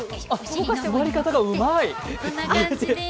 座り方がうまい。